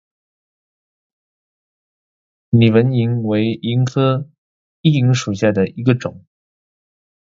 拟纹萤为萤科熠萤属下的一个种。